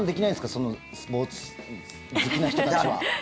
そのスポーツ好きな人たちは。